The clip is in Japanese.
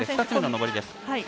２つ目の上りです。